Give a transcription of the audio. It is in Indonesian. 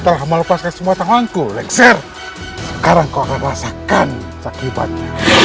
telah melepaskan semua tanganku lexer sekarang kau merasakan sakit banget